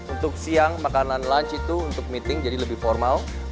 untuk siang makanan lunch itu untuk meeting jadi lebih formal